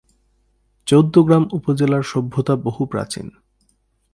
চৌদ্দগ্রাম উপজেলার সভ্যতা বহু প্রাচীন।